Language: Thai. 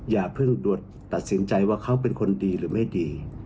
อย่าเพิ่งตรวจตัดสินใจว่าเขาเป็นคนดีหรือไม่ดี